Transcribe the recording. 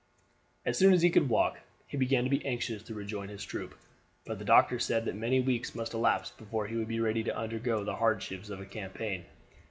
As soon as he could walk he began to be anxious to rejoin his troop, but the doctor said that many weeks must elapse before he would be ready to undergo the hardships of campaign.